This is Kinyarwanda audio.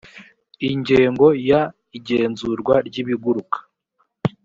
ingingo ya igenzurwa ry ibiguruka